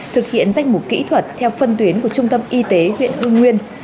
thực hiện danh mục kỹ thuật theo phân tuyến của trung tâm y tế huyện hưng nguyên